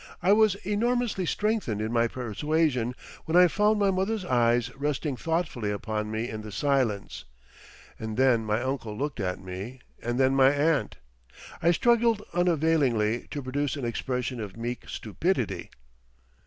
I was enormously strengthened in my persuasion when I found my mother's eyes resting thoughtfully upon me in the silence, and than my uncle looked at me and then my aunt. I struggled unavailingly to produce an expression of meek stupidity.